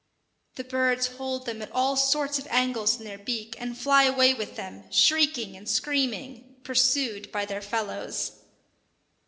The birds hold them at all sorts of angles in their beak, and fly away with them, shrieking and screaming, pursued by their fellows.